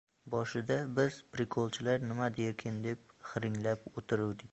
Boshida biz prikolchilar nima derkin deb xiringlab oʻtiruvdik.